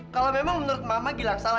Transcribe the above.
kalau memang menurut mama gilang salah